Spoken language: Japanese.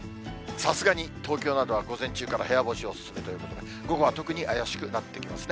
さすがに東京などは午前中から部屋干しお勧めということで、午後は特に怪しくなってきますね。